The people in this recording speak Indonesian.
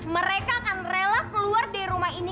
mereka akan rela keluar dari rumah ini